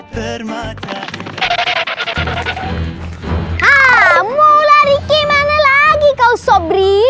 haaa mau lari kemana lagi kau sobri